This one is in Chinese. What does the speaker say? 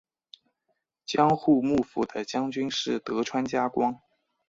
江户幕府的将军是德川家光。